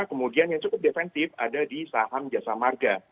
kemudian yang cukup defensif ada di saham jasa marga